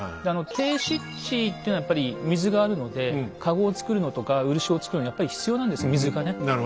低湿地っていうのはやっぱり水があるのでカゴをつくるのとか漆をつくるのにやっぱり必要なんです水がね。